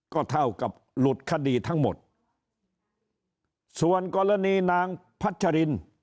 ก็เท่ากับหลุดคดีทั้งหมดส่วนกรณีนางพัชริน